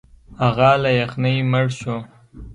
هغه له یخنۍ مړ شو.